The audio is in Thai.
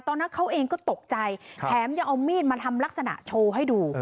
ตอนนั้นเขาเองก็ตกใจแถมยังเอามีดมาทำลักษณะโชว์ให้ดู